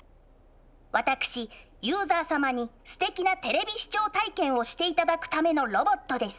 私ユーザー様にすてきなテレビ視聴体験をして頂くためのロボットです。